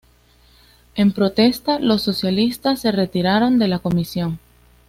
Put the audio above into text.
En protesta los socialistas se retiraron de la comisión.